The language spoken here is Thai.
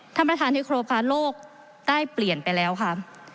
ท่านประธานที่ครบค่ะโลกได้เปลี่ยนไปแล้วค่ะ